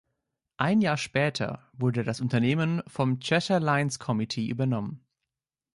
Ein Jahr später wurde das Unternehmen vom Cheshire Lines Committee übernommen.